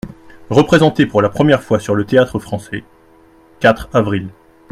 Représentée pour la première fois sur le Théâtre-Français (quatre avr.